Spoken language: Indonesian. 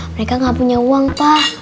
mereka nggak punya uang pak